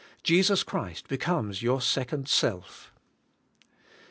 Jesus Christ becomes your second self.